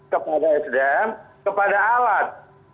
kepada sdm kepada alat